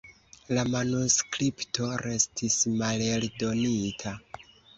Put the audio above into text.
La manuskripto restis maleldonita.